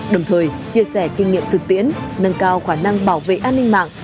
đồng thời chia sẻ kinh nghiệm thực tiễn nâng cao khả năng bảo vệ an ninh mạng